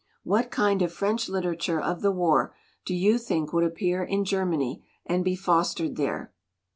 What kind of French litera ture of the war do you think would appear in Germany and be fostered there?